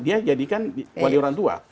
dia jadikan wali orang tua